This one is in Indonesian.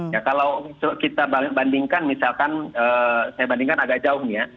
ya kalau kita bandingkan misalkan saya bandingkan agak jauh nih ya